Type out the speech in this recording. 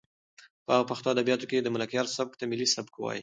په پښتو ادبیاتو کې د ملکیار سبک ته ملي سبک وایي.